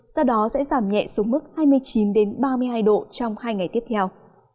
sau đó sẽ giảm nhẹ xuống mức hai mươi chín ba mươi hai độ trong hai ngày tiếp theo